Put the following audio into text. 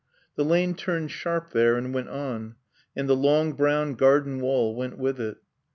The lane turned sharp there and went on, and the long brown garden wall went with it.